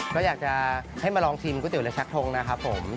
ถ้าอยากจะให้มาลองชิมก๋วยเตี๋ยวเรือชักทงนะครับผม